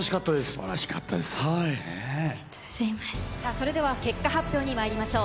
それでは結果発表にまいりましょう。